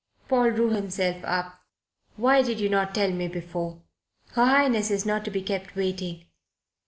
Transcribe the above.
Paul drew himself up. "Why did you not tell me before? Her Highness is not to be kept waiting.